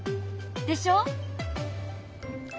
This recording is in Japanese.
でしょ！